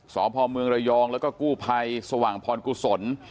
สอบภอมเมืองระยองแล้วก็กู้ไพรสว่างพรกุศล